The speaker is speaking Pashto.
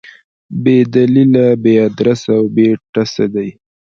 بې دلیله، بې ادرسه او بې ټسه دي.